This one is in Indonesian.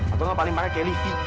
atau lo paling marah kayak livi